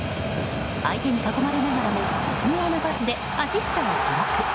相手に囲まれながらも絶妙なパスでアシストを記録。